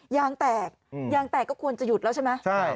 ยางแตกยางแตกก็ควรจะหยุดแล้วใช่ไหม